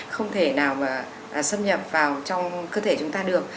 không thể nào mà xâm nhập vào trong cơ thể chúng ta được